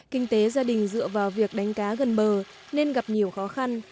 kinh tế gia đình dựa vào việc đánh cá gần bờ nên gặp nhiều khó khăn